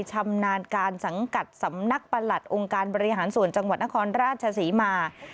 ชำนาญการสังกัดสำนักประหลัดองค์การบริหารส่วนจังหวัดนครราชศรีมา